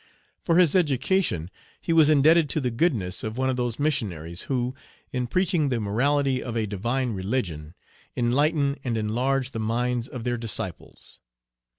For his education he was indebted to the goodness of one of those missionaries, who, in preaching the morality of a divine religion, enlighten and enlarge the minds of their disciples.